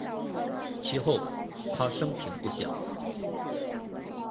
其后他生平不详。